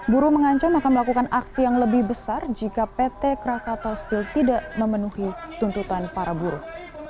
buruh mengancam akan melakukan aksi yang lebih besar jika pt krakatau steel tidak memenuhi tuntutan para buruh